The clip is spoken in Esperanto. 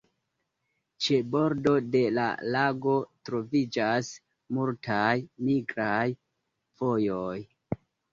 Ĉe bordo de la lago troviĝas multaj migraj vojoj.